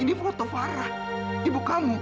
ini foto farah ibu kamu